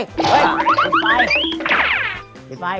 เฮ้ยติดไฟ